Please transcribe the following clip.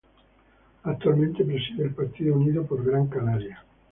Actualmente preside el partido Unidos por Gran Canaria.